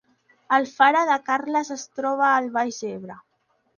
Alfara de Carles es troba al Baix Ebre